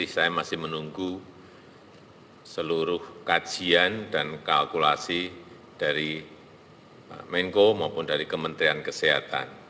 saya masih menunggu seluruh kajian dan kalkulasi dari pak menko maupun dari kementerian kesehatan